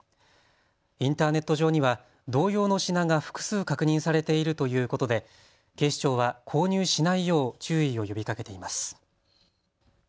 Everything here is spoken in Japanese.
インターネット上には同様の品が複数確認されているということで警視庁は購入しないよう注意を呼びかけています。